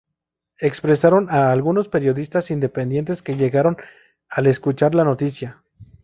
Expresaron a algunos periodistas independientes que llegaron al escuchar la noticia.